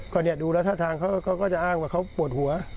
ก็เนี่ยดูแล้วท่าทางเขาก็จะอ้างว่าเขาปวดหัว